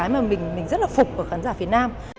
mình rất là phục của khán giả phía nam